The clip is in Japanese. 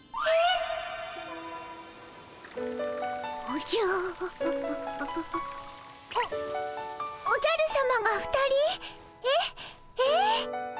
おおじゃるさまが２人？え？え？